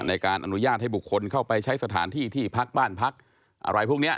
ในการอนุญาตให้บุคคลเข้าไปใช้สถานที่ที่พักบ้านพักอะไรพวกนี้